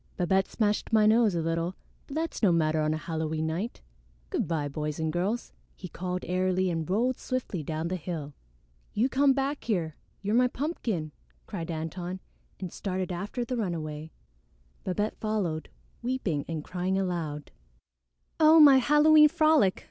"Babette smashed my nose a little, but that's no matter on a Halloween night. Good by, boys and girls," he called airily and rolled swiftly down the hill. "You come back here; you're my pumpkin," cried Antone and started after the runaway. Babette followed, weeping and crying aloud. "Oh, my Halloween frolic!